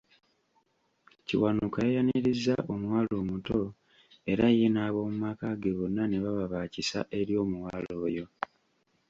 Kiwanuka yayaniriza omuwala omuto era ye n'ab'omumaka ge bonna ne baba ba kisa eri omuwala oyo.